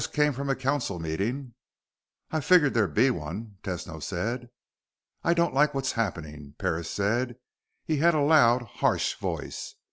"Just came from a council meeting." "I figured there'd be one," Tesno said. "I don't like what's happening," Parris said. He had a loud, harsh voice.